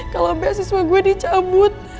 kalau beasiswa gue dicabut